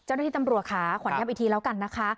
เจ้าหน้าที่ตำรวจค่ะขวัญย้ำอีกทีแล้วกันนะคะ